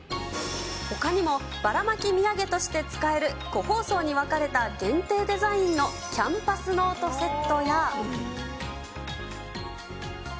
ほかにもばらまき土産として使える個包装に分かれた限定デザインのキャンパスノートセットや。